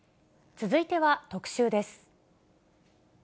続いては特集です。